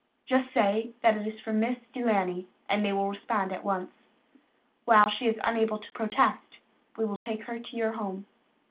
Just say that it is for Miss De Laney and they will respond at once. While she is unable to protest, we will take her to your home."